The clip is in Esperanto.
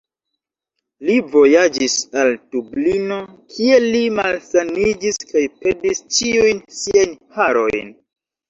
Li vojaĝis al Dublino, kie li malsaniĝis, kaj perdis ĉiujn siajn harojn.